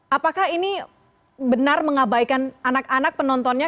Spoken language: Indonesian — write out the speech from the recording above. apakah ini benar mengabaikan anak anak penontonnya